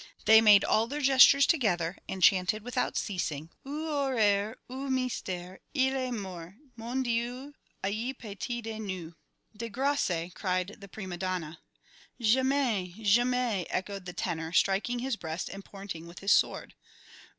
They made all their gestures together and chanted without ceasing: "O horreur, O mystére! Il est mort. Mon Dieu, ayez pitié de nous!" "De Grace!" cried the prima donna. "Jamais, jamais!" echoed the tenor, striking his breast and pointing with his sword.